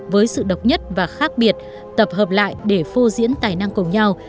với sự độc nhất và khác biệt tập hợp lại để phô diễn tài năng cùng nhau